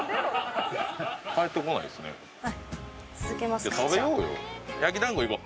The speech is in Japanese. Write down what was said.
続けますか。